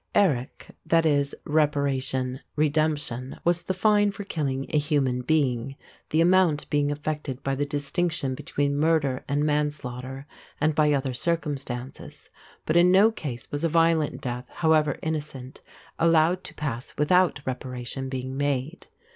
Eric = reparation, redemption, was the fine for killing a human being, the amount being affected by the distinction between murder and manslaughter and by other circumstances; but in no case was a violent death, however innocent, allowed to pass without reparation being made.